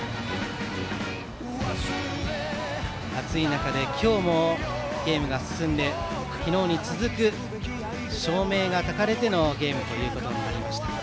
暑い中で今日もゲームが進んで昨日に続く、照明がたかれてのゲームとなりました。